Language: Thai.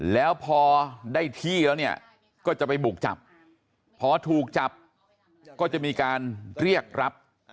แล้วพอได้ที่แล้วเนี่ยก็จะไปบุกจับพอถูกจับก็จะมีการเรียกรับ